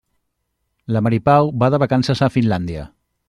La Mari Pau va de vacances a Finlàndia.